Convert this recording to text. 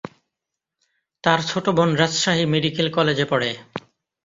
তার ছোট বোন রাজশাহী মেডিকেল কলেজে পড়ে।